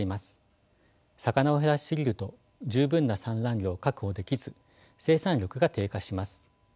魚を減らしすぎると十分な産卵量を確保できず生産力が低下します。